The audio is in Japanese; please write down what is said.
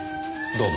どうも。